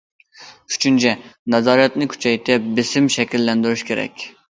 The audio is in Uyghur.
ئۈچىنچى، نازارەتنى كۈچەيتىپ، بېسىم شەكىللەندۈرۈش كېرەك.